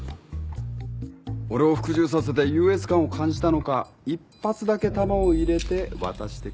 俺を服従させて優越感を感じたのか１発だけ弾を入れて渡してくれたよ。